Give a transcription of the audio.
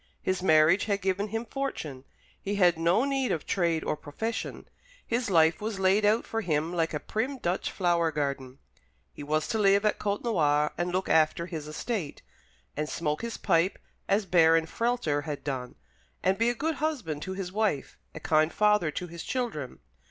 His marriage had given him fortune. He had no need of trade or profession. His life was laid out for him like a prim Dutch flower garden. He was to live at Côtenoir, and look after his estate, and smoke his pipe, as Baron Frehlter had done, and be a good husband to his wife, a kind father to his children.